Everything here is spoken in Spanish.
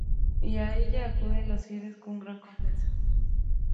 Y a ella acuden los fieles con gran confianza.